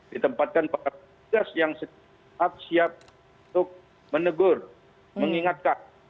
ditempatkan pakar tugas yang siap untuk menegur mengingatkan